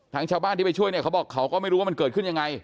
ชาวบ้านที่ไปช่วยเนี่ยเขาบอกเขาก็ไม่รู้ว่ามันเกิดขึ้นยังไง